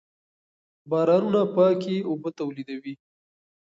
بارانونه پاکې اوبه تولیدوي.